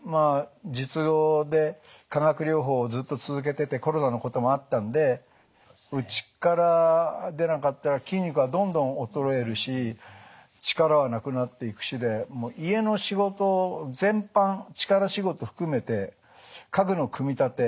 術後で化学療法をずっと続けててコロナのこともあったんでうちから出なかったら筋肉はどんどん衰えるし力はなくなっていくしで家の仕事全般力仕事含めて家具の組み立て。